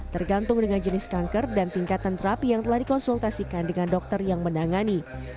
tergantung dengan jenis kanker dan tingkatan terapi yang telah dikonsultasikan dengan dokter yang menangani